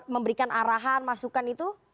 memberikan arahan masukan itu